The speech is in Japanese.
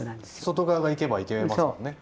外側がいけばいけますもんね。